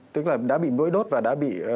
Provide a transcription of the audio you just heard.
tức là đã bị mũi đốt và đã bị